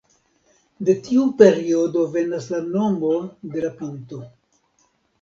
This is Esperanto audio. De tiu periodo venas la nomo de la pinto.